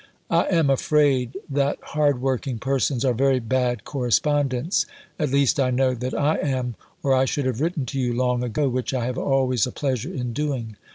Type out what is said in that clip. I am afraid that hard working persons are very bad correspondents, at least I know that I am, or I should have written to you long ago, which I have always a pleasure in doing.